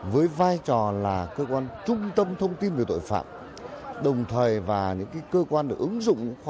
với vai trò là cơ quan trung tâm thông tin về tội phạm đồng thời và những cơ quan ứng dụng